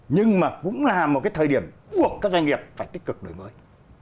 nhưng mà cũng là một cái thời điểm buộc các doanh nghiệp phải tích cực đổi mới